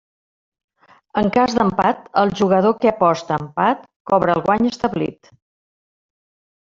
En cas d'empat el jugador que aposta a empat cobra el guany establit.